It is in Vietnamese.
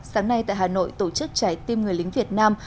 sáng nay tại hà nội tổ chức trái tim người lính việt nam